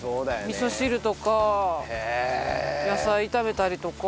みそ汁とか野菜炒めたりとか。